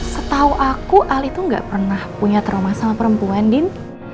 setahu aku ali itu gak pernah punya trauma sama perempuan din